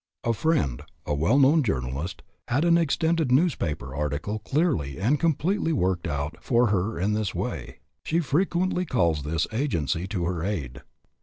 A friend, a well known journalist, had an extended newspaper article clearly and completely worked out for her in this way. She frequently calls this agency to her aid.